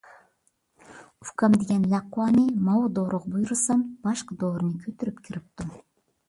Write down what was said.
ئۇكام دېگەن لەقۋانى ماۋۇ دورىغا بۇيرۇسام، باشقا دورىنى كۆتۈرۈپ كىرىپتۇ.